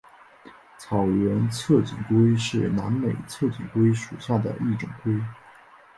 草原侧颈龟是南美侧颈龟属下的一种龟。